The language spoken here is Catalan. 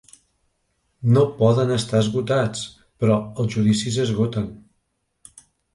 No poden estar esgotats, però els judicis esgoten.